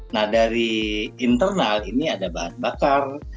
nah dari internal ini ada bahan bakar